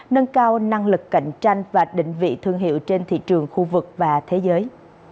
nâng cao năng lực cạnh tranh và định vị thương hiệu trên thị trường khu vực và thế giới